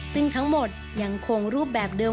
ซึ่งทั้งหมดยังคงรูปแบบเดิม